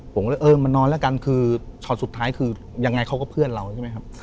ผมก็เลยเออมานอนแล้วกันคือช็อตสุดท้ายคือยังไงเขาก็เพื่อนเราใช่ไหมครับ